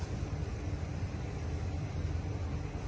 สวัสดีครับ